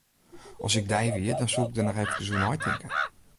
As ik dy wie, dan soe ik der noch efkes oer neitinke.